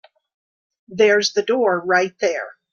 There's the door right there.